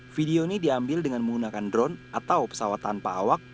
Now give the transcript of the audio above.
video ini diambil dengan menggunakan drone atau pesawat tanpa awak